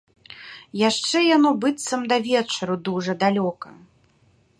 Яшчэ яно быццам да вечару дужа далёка.